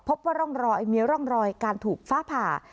พบว่าร่องรอยมีร่องรอยการถูกฟ้าผ่า